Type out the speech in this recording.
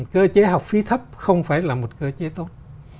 cơ chế học phí thấp không phải là một cơ chế tốt